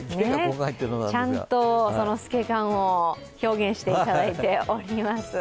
ちゃんと透け感を表現していただいております。